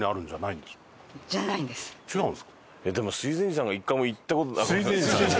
違うんですか。